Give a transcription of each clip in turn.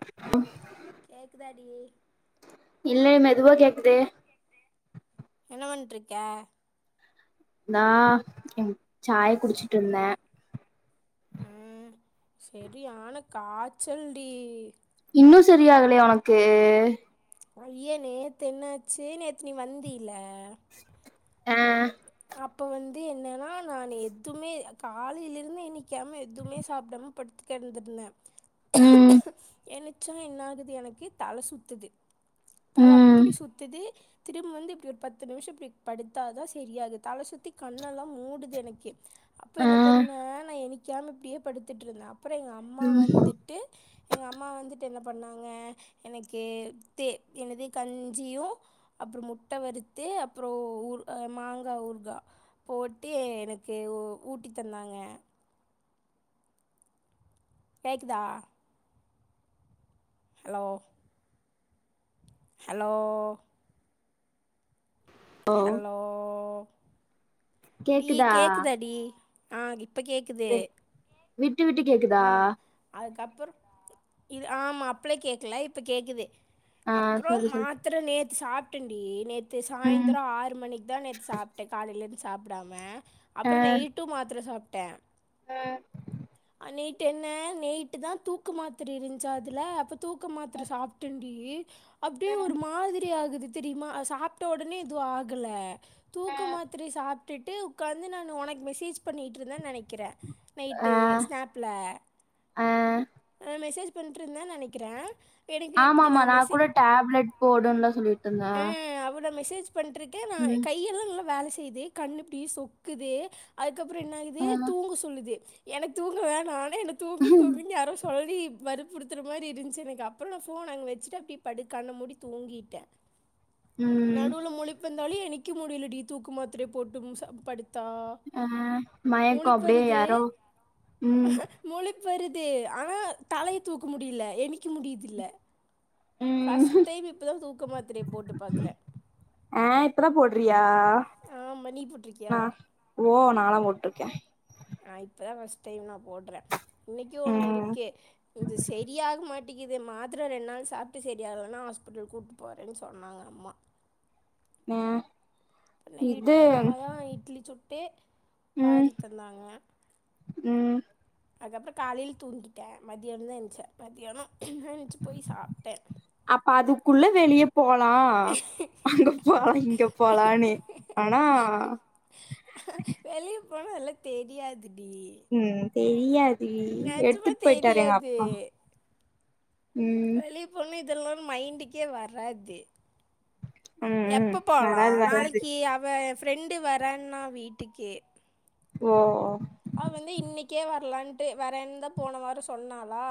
அ கேக்குதாடி இல்லே மெதுவாக கேக்குது என்ன வண்ட்டுருக்க நா ம் ச்சாய் குடிச்சிட்ருந்தே ம் செரியான காச்சல்டி இன்னு செரியாகலைய உனக்கு அய்ய நேத்து என்னாச்சு நேத்து நீ வந்தில ஆ அப்ப வந்து என்னன்னா நானு எதுமே காலைலிருந்து இன்னிக் க்காம எதுமே சாப்டாம படுத்து கெடந்திருந்தே உம் என்னுச்சா என்ன ஆகுது எனக்கு தல சுத்துது ம் இப்பிடி சுத்துது திரும்ப வந்து இப்டி ஒரு பத்து நிமிஷோ இப்டி படுத்தா தா செரியாகுத் தல சுத்தி கண்ணெல்லா மூடுது எனக்கே அப்ப ஆ என்ன பண்ணே நா எனிக் க்யாம இப்டியே படுத்துட்டுருந்தே அப்பறோ எ அம்மா ம் வந்துட் ட்டு எங்க அம்மா வந்துட் என்ன பண்ணாங்க எனக்கே தே என்னது கஞ்சியு அப்புறோ முட்ட வறுத்து அப்புறோ ஊறு அ மாங்கா ஊறு கா போட்டே எனக்கு ஊட்டி தந்தாங்க கேக்குதா ஹலோ ஹலோ ஓ ஹல்லலோ டி கேக்குதா டி விட்டு விட்டு கேக்குதா அதுக்கப்புறோ‌ இது ஆமா அப்பளே கேக்கல இப்ப கேக்குது ஆ அப்றோ சொல்லு சொல்லு மாத்ர நேத்து சாப்ட்டண்டி நேத் து ம் சாயந்தரோ ஆறு மணிக்கு தா நேத்து சாப்ட்ட காலையிலேருந்து சாப்டாம அப்றோ நெயிட்டு மாத்ர சாப்ட்ட ஆ அ நெயிட்டு என்ன நெயிட்டு தா தூக்கு மாத்திர இருந்துச்சா அதுல அப்ப தூக்க மாத்ர சாப் டண்டி அப்படியே ஒரு மாதிரி ஆகுது தெரியுமா சாப்ட்ட உடனே எதுவு ஆகல தூக்க மாத்ரைய சாப்ட்டுட்டு உக்காந்து நானு உனக் மெசேஜ் பண்ணிட்டுருந்தேன் நெனைக் கிற ஆ நைட்டு ஸ்நாப்ல ஆ அ மெசேஜ் பண்ட்ர்ருந்தா நெனைக்கிற எனக்கு இப்படி ஆமாமா நான் நா கூட மெசேஜ் டேப்லெட் போடுன்ல சொல்லிட்டு இருந்தே ஆ அவ்ளோ மெசேஜ் பண்ட்ருக்கே நா ம் கையெல்லா நல்லா வேல செய்து கண்ணு அப்டே சொக்குது அதுக்கப்புறோ என்ன ஆகுது ஆ தூங்க சொல்லுது எனக்கு தூங்க வேணா ஆனா என்ன தூங்கு தூங்குன்னு யாரோ ஆல்ரெடி வறுப்புறுத்துற மாறி இருந்ச்சு எனக்கு அப்புறோ நா ஃபோன அங்க வச்சுட்டு அப்டியே படுக் கண்ண மூடி தூங்கிட்ட ம் நடுவுல முழிப்பந்தாலே என் நிக்க முடிலடி தூக்கு மாத்திரையபோட்டு சாப் படு த்தா ஆ மயக்கோ அப்டியே முளிப்வருது யாரோ ம் முழிப்பு வருது ஆனா தலையை தூக்க முடியல என்னிக்க முடியுதில்ல ம் ஃபர்ஸ்ட் டைம் இப்பதா தூக்க மாத்திரிய போட்டு பாக்குற ஆ இப்பதா போடுறியா ஆமா நீ போட்ருக்கியா நா ஓ நாளாம் போட்ருக்க நா இப்பதா ஃபஸ்ட் டைம் நா போடுற இன்னைக்கு ஒன்னு ம் இருக்கு இது சரியாக மாட் டிக்குது மாத்திர ரெண்டு நாள் சாப்ட்டு சரியாகலன்னா ஹாஸ்பிட்டலு கூப்ட்டு போறன்னு சொன்னாங்க அம்மா ஏ நைட்டு எங்க அம்மா தா இட்லி சுட்டு ம் பாரி தந்தாங்க ம் அதுக்கப்புறோ காலையில தூங்கிட்ட மத்தியான தா என்ச்சே மத்தியானோ ஏஞ்சு போய் சாப்ட்ட அப்ப அதுக்குள்ள வெளிய போலா அங்க போலா இங்க போலனு ஆனா வெளிய போனா அதெல்லா தெரியாது டி ம் தெரியாது டி எடுத்துட்டு போயிட்டாரு எங்க அப்பா தெரியாது ம் வெளி போணுனா இதெல்லா மைண்டுக்கே வராது ம் ம் எப்போ போலா வராது வராது நாளைக்கு அவ எ ஃப்ரெண்டு வரன்னா வீட்டுக்கு ஓஓ அவ வந்து இன்னைக்கே வரலான்ட்டு வரன்தா போன வாரோ சொன்னாளா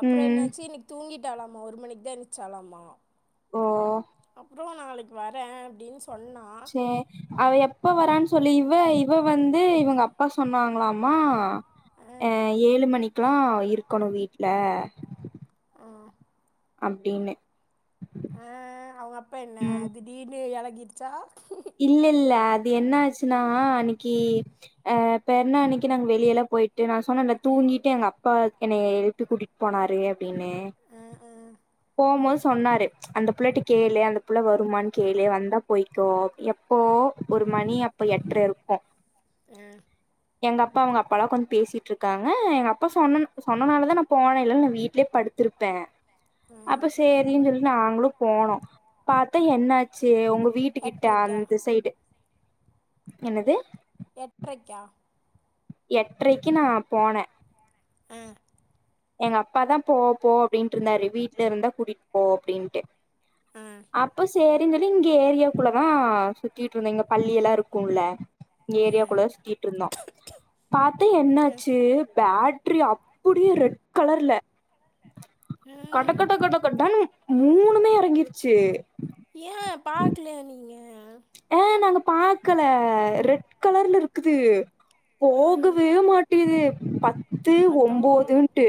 அப்புறோ ம் என்னாச்சு இன்னைக்கு தூங்கிட்டாளாமா ஒரு மணிக்கு தா எந்ச்சாளாமா ஓ அப்புறோ நாளைக்கு வர அப்டின்னு சொன்னா சே அவ எப்ப வரான்னு சொல்லு இவ இவ வந்து இவங்க அப்பா சொன்னாங்களாமா ஆ, அ ஏலு மணிக்குல்லா இருக்கணு வீட்ல ஆ அப்டின்னு அ அவுங்க அப்பா என்ன ம் திடீர்னு இலகிருச்சா இல்ல இல்ல அது என்ன ஆச்சுன்னா அன்னிக்கு அ பெருணா அன்னிக்கு நாங்க வெளிய எல்லா போயிட்டு நா சொன்னே தூங்கிட்டு எங்க அப்பா என்னை எழுப்பி கூட்டி போனாரு அப்டின்னு ஆ ஆ போகுபோது சொன்னாரு அந்த புள்ளைட்டு கேளு அந்த புள்ள வருமான்னு கேளு வந்தா போய்க்கோ எப்போ ஒரு மணி அப்போ எட்டுரை இருக்கு உ எங்க அப்பா அவங்க அப்பா எல்லா கொஞ்ச பேசிட்டு இருக்காங்க எங்க அப்பா சொன்ன சொன்னனால தா நா போனன்ல இல்லன்னா வீட்டிலேயே படு படுத்திருப்பே ஆ. அப்ப சேரின்னு சொல்லி நாங்களு போனோ பாத்தா என்னாச்சு உங்க வீட்டு கிட்ட எட்டரைக்கா அந்த சைடு என்னது எட்டறைக்கா எட்டரைக்கு நா போனே உ எங்க அப்பாதா போ போ அப்படின்ட்டு இருந்தாரு வீட்டுல இருந்தா கூட்டிட்டு போ அப்டின்ட்டு ஆ அப்போ சேரி அப்படின்னு சொல்லி இங்கே ஏரியாக்குள்ளதா சுத்திட்டு இருந்தே இங்க பள்ளி எல்லா இருக்கும்ல ஆ ஏரியாக்குள்ள தா சுத்திட்டு இருந்தோ பாத்து ஆ என்னாச்சு பேட் பேட்ரி அப்டியே ரெட் கலர்ல உ கட கட கடன்னு மூணுமே இறங்கிருச்சு ஏன் பார்கலிய நீங்க ஏ நாங்க பாக்கல ரெட் கலர்ல இருக்குது ஆ போகவே மாட் டிகிது பத்து அதோ ஒன்பதுட்டு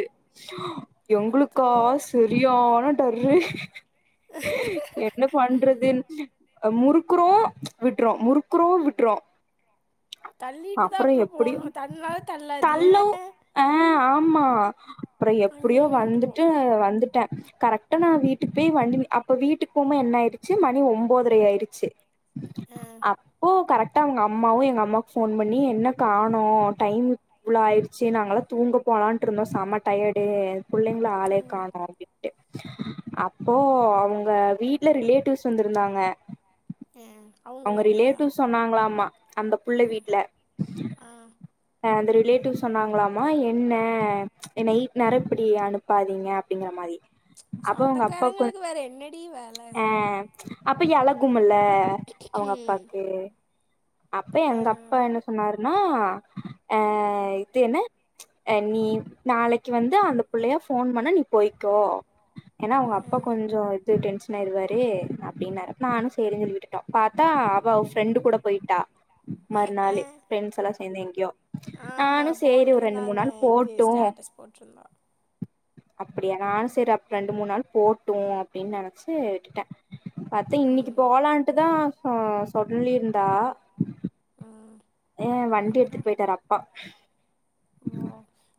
எங்களுக்கா அதோ சரியானா டரு என் என்ன பண்றது அ முறுக்குறோ விட்றோ முறுக்குறோ விட்றோ தள்ளிட்டு தா அப்றோ அப்றொ எப்டியோ போனோ தள்னாலு தள்ளாது ஏ தள்ளவு ஆ ஆமா அப்றோ எப்டியோ அங்கேயே வந்துட்டு நின்றுரும் வந்துட்டே கரெக்ட்டா நா வீட்டுக்குப் போயி வண்டி அப்ப வீட்டுக்கு போமா என்ன ஆயிருச்சு மணி ஒம்போதரை ஆயிருச்சு அ அப்போ கரெக்ட்டா அவுங்கம்மாவு எங்க அம்மாக்கு ஃபோன் பண்ணி என்ன காணோ டைம் இவ்ளோ ஆயிருச்சு நாங்களல்லா தூங்கப் போலான்ட்டுருந்தோ செம டயர்டு புள்ளைங்கள ஆளே ம், காணோ ட்டு அப்போ அவுங்க வீட்டுல ரிலேட்டிவ்ஸ் வந்துருந்தாங்க ஆ அவங்க அவுங்க வீட்லையா ரிலேட்டிவ் சொன்னாங்களாமா அந்தப் புள்ள வீட்ல அ அ அந்த ரிலேட்டிவ் சொன்னாங்ளாமா என்ன என்ன நைட் நேரோ இப்டி அனுப் பாதீங்க அப்படிங்கற மாரி அப்ப உங்க அப்பாக்கு சொந்தக்காரங்களுக்கு வேற என்னடி வே ஆ அப்ப எளகுமுல்ல அவுங்கப்பாக்கு அப்ப எங்க அப்பா அதனால என்ன சொன்னாருன்னா அ இது என்ன நீ நாளைக்கு வந்து அந்த பிள்ளைய போன் பண்ண நீ போய்க்கோ ஏன்னா அவங்க ஆ அப்பா கொஞ்சோ டென்ஷன் ஆய்டுவாரு அப்டின்னாரு நானு சேரி சொல்லி விட்டுட்ட பாத்தா அவ ஃப்ரெண்டு் கூட போயிட்டா ஆ மறுநாளு ஃப்ரெண்ட்ஸ் எல்லா சேர்ந்து எங்கயோ நானு ஆமாம் சேரி ஒரு ரெண்டு மூணு போட்டிருந்தாங்க நாள் இது போட்டு ஸ்டேட்டஸ் போட்டிருந்தா அப்படியா நானு செரி அப்ப ரெண்டு மூணு நாள் போட்டு அப்படின் நெனைச்சு விட்டுட்டே பாத்தா இன்னைக்கு ம் போலான்ட்டுதா ஆ சொல்லிருந்தா ஆ ஏ வண்டி எடுத்துட்டு போயிட்டாரு அப்பா ஓ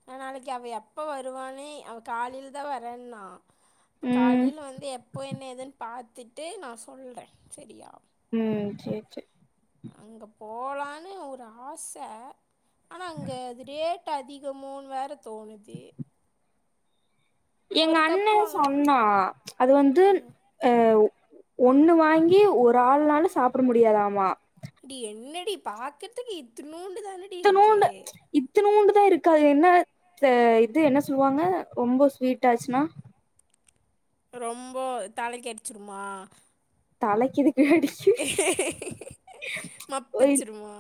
நா நாளைக்கு அவ எப்ப வருவானே அவ காலைல தா வரேண்ணா இப்ப ம் காலைல வந்து எப்போ என்ன ஏதுன் பாத்துட்டு நா சொல்றே சரியா ம் சேர் சேர் அங்க போலான்னு ஒரு ஆச ஆனா அங்க அது ரேட் அதிகமோன் வேற தோணுது எங்க ஒரு அண்ண கப்பு வாங்கினா சொன்னா அது வந்து ஆ ஒன்னு வாங்கி ஒரு ஆள்நால சாப்பட முடியாதாமா இப்டி என்னடி பாக்கறதுக் இத்துனூண்டு தானடி இருக்கு இத்தனூண்டு இத்தனூண்டு தா இருக்கு அது என்ன ஆ இது என்ன சொல்வாங்க ரொம்ப ஸ்வீட் ஆச்சுன்னா ரொம்ப தலைக்கடிச்சுருமா தலைக் எதுக்கு டி அடி மப்பிச்சிருவோ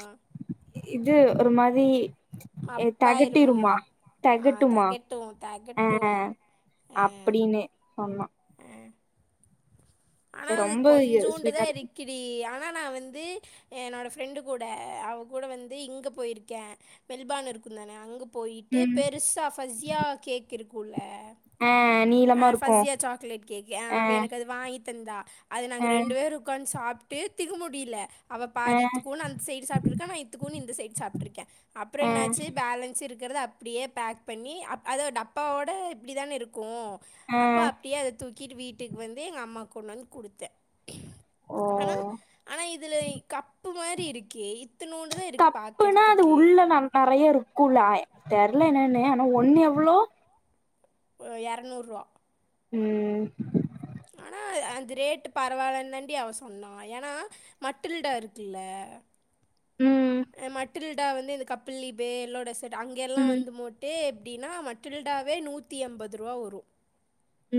இது ஒரு மாரி ஏ அப்பா இருமா தெகட்டிருமா ஆ தெகட்டுமா தகட்டும் அ தகட்டும் அப்டினு சொன்னா ஆ ஆனா அது ரொம்ப கொஞ்சூண்டு தா ஸ்வீட்டா இருக்கு இருக் கிடி ஆனா நா வந்து என்னோட ஃப்ரெண்டு கூட அவ கூட வந்து இங்க போயிருக்க மெல்பார்ன் இருக்குந்தான அங்க போயிட்டு ம் பெருசா ஃபஸியா கேக் இருக்குல்ல ஆ ஆ நீளமா இருக்கு ஃபஜியா சாக்லேட் கேக்கு ஆ அவ எனக்கு அது வாங்கித்தந்தா அது நாங்க ஆ ரெண்டு பேரு உக்காந் சாப்ட்டு திகு முடில அவ ஆ பாதி இத்துக்குனு அந்த சைடு சாப்ட்ருக்கா நா இத்துக்குனு இந்தசைடு சாப்ட்ருக்க அப்றோ ஆ என்னாச்சு பேலன்ஸ் இருக்கிறது அப்படியே பேக் பண்ணி அப் அத டப்பாவோட இப்டிதான இருக்கு ஆ அப்போ அப்டியே அத தூக்கிட்டு வீட்டுக்கு வந்து எங்க அம்மாக் கொண்ணாந்து குடுத்த ஓ ஆனா ஆனா இதுல கப்பு மாரி இருக்கு இத்துனூன்டு தா இருக்கு பாக்றதுக்கு இப்ப நல் நெறயா இருக்கு கூலாய் தெரல என்னன்னு ஆனா ஒண்ணு எவ்ளோ இரநூறுவா ம் ஆனா அந்த ரேட்டு பரவாயில்லைன்னு தாண்டி அவ சொன்னா ஏனா மட்டில்டா இருக்குல்ல ம் மட்டில்டா வந்து இந்த கப்பில் லீபே எல்லோட செட் அங்க எல்லா ம் வந்து மோ டே எப்படின்னா மட்டில்டாவே நூத்தி எண்பரூபா வரு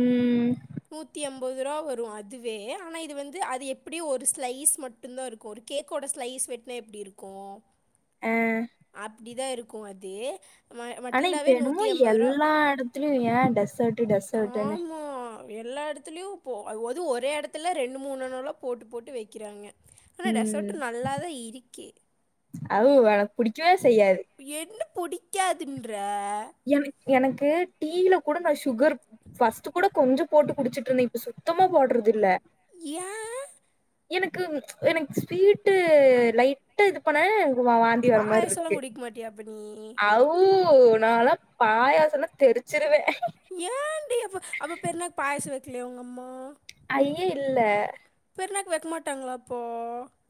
ம் நூத்தி அம் முப்பதுருவா வரு அதுவே ஆனா இது வந்து அது எப்படி ஒரு ஸ்லைஸ் மட்டு தா இருக்கு ஒரு கேக்கோட ஸ்லைஸ் வெட்டனா எப்டி இருக்கு ஆ அப்டிதா இருக்கு அது ம ஆனா இப்ப மட்டில்டாவே நூத்தி என்னமோ எம்பது ரூவா எல்லா இடத்துலயும் ஏன் டெசர்ட் டெசர்ட்ன்னு ஆமா எல்லா எடத்துலயு போ அது ஒரே எடத்துல ரெண்டு மூணுணணலா போட்டு போட்டு வக்கிறாங்க ஆனா ம் ரெசார்ட்டு நல்லாதா இருக்கி வு எனக்கு புடிக்கவே செய்யாது இப்ப என்ன புடிக்காதுன்ற என எனக்கு டீல கூட நா சுகர் ஃபஸ்ட்டு கூட கொஞ்சோ போட்டு குடிச்சிட்டிருந்தே இப்போ சு சுத்தமா போடறதில்ல ஏ எனக்கு எனக்கு ஸ்வீட்டு லைட்டா இது பண்ணாவே எனக்கு வாந் தி வர மாரி பாயசம்லாம் இருக்கு குடிக்க மாட்டியா அப்ப நீ அவ்வூ நாலா பாயாசனா தெரிச்சிருவே ஏன்டி அப்ப அப்ப பெருணாக்கு பாயச வைக்கலைய உங்க அம்மா ஐய இல்ல பெருணாக்கு வைக்கமாட்டாங்களா அப்போ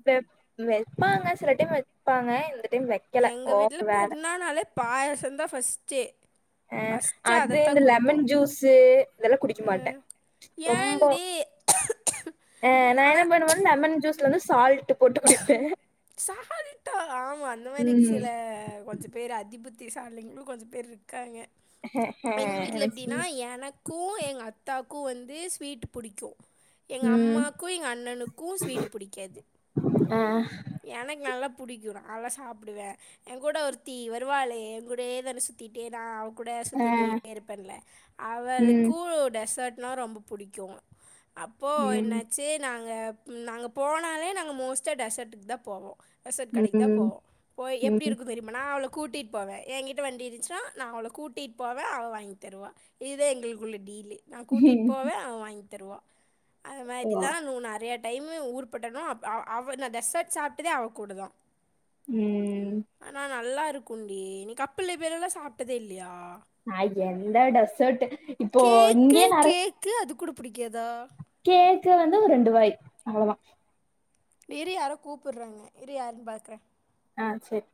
வெப் வெப்பாங்க சில டைம் வெப்பாங்க இந்த டைம் வெக் எங்க வீட்ல பெருனானாலே பாயசம்தா ஃபஸ்டே அ அது இந்த லெமன் ஜூஸு இதெல்லா குடிக்க மாட்டே அஹ் ஏன்டி அ நா என்ன ஆனால் பண்ணுவேனா லெமன் ஜூஸ்ல வந்து சால் ஆமா அந்த மாரி ம். சில கொஞ்ச பேரு அதிபுத்தி சாலிங்களு கொஞ்ச பேர் ருக்காங்க இப்ப எங்க வீட்ல எனக்கு எப்டின்னா ஸ்வீட் எனக் கு எங்க அத்தாக்கு வந்து ஸ்வீட் புடிக்கு எங்கள் ம். அம்மாக்கு எங்க அண்ணனுக்கு ஸ்வீட் புடிக்காது அ எனக்கு நல்லா புடிக்கு நாலா சாப்டுவே என் கூட ஒருத்தி வருவாளே என் கூடயேதானு சுத்திட்டே தா கூட ஆ சுத்திட்டே இருப்பேன்ல ம் அவளுக்கு டெசர்ட்னா ரொம்ப புடிக்கு அப்போ ம் என்னாச்சு நாங்க நாங்க போனாலே நாங்க மோஸ்ட்டா டெசர்ட்டக்கு தான் போவோ டெசர்ட் கடைக்கு தா ம் போவோ போய் எப்டி ம். இருக்கு‌ தெரியு மா நா அவள கூட்டிகிட்டு போவே என்கிட்ட வண்டி இருந்துச்சுன்னா நா அவள கூட்டிட் போவே அவ வாங்கி தருவா இதா எங்களுக்குள்ள டீலு நா கூட்டிகிட்டு போவே அவ வாங்கி தருவா அது ஓ! மாரி தா நு நெறையா டைம் ஊர்பட்டணு அப் அவ அவ நா டெசர்ட் சாப்டதே அவ கூடதா ம் ஆனா நல்லா இருக்குன்டி நீ கப்பல பேர் எல்லாம் சாப்டதே இல்லையா நா எந்த டெசர்ட் இப்போ கேக்கு இங்கேயே நெறைய கேக்கு அது கூட புடிக்காதா கேக்கு வந்து ஒரு ரெண்டு வாய் அவ்ளோ தா இரு யாரோ கூப்பிட்றாங்க இரு யார்னு பாக்கறே ஆ சேரி